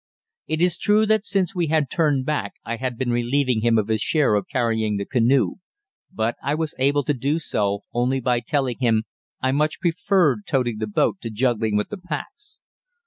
It is true that since we had turned back I had been relieving him of his share of carrying the canoe, but I was able to do so only by telling him I much preferred toting the boat to juggling with the packs.